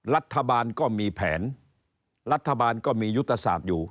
รัฐบาลก็มีแผนรัฐบาลก็มียุทธศาสตร์อยู่